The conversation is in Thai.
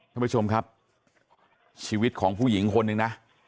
ท่านผู้ชมครับชีวิตของผู้หญิงคนหนึ่งนะ